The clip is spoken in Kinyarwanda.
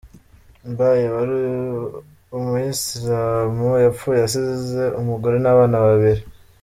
Mbaye wari Umuyisilamu, yapfuye asize umugore n’abana babiri.